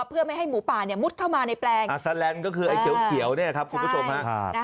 เพื่อไม่ให้หมูป่าเนี่ยมุดเข้ามาในแปลงอาซาแลนด์ก็คือไอ้เขียวเนี่ยครับคุณผู้ชมฮะ